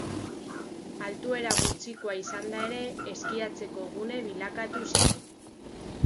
Altuera gutxikoa izanda ere, eskiatzeko gune bilakatu zen.